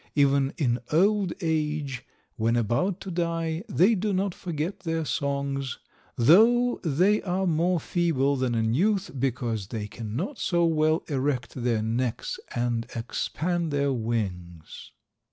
Even in old age, when about to die, they do not forget their songs, though they are more feeble than in youth, because they cannot so well erect their necks and expand their wings.